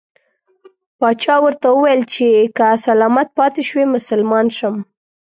پاچا ورته وویل چې که سلامت پاته شوې مسلمان شم.